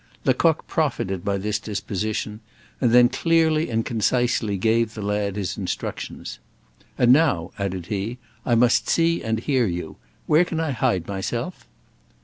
Lecoq profited by this disposition; and then clearly and concisely gave the lad his instructions. "And now," added he, "I must see and hear you. Where can I hide myself?"